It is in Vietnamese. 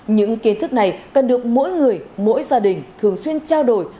những kiến thức này cần được mỗi người mỗi gia đình thường xuyên trao đổi